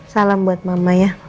salam buat mama ya